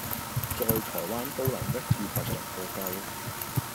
在台灣都能一次品嚐個夠